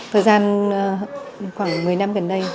thời gian khoảng một mươi năm gần đây